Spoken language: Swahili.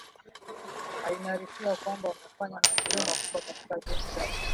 na inaarifiwa kwamba amefanya maendeleo makubwa katika juhudi zake